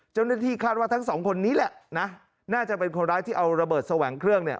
เจ้าหน้าที่คาดว่าทั้งสองคนนี้แหละนะน่าจะเป็นคนร้ายที่เอาระเบิดแสวงเครื่องเนี่ย